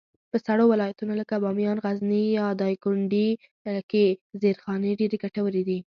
په سړو ولایتونو لکه بامیان، غزني، یا دایکنډي کي زېرخانې ډېرې ګټورې دي.